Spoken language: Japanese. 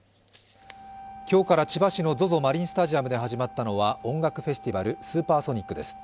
今日から千葉市のＺＯＺＯマリンスタジアムで始まったのは音楽フェスティバルＳＵＰＥＲＳＯＮＩＣです。